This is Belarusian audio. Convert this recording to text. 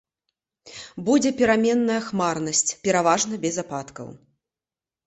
Будзе пераменная хмарнасць, пераважна без ападкаў.